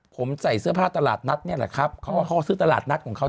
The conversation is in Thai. ผมใส่เสื้อผ้าตลาดนัดเนี่ยแหละครับเขาว่าเขาก็ซื้อตลาดนัดของเขา